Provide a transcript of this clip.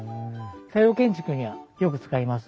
西洋建築にはよく使います。